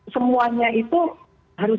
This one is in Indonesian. semuanya itu harus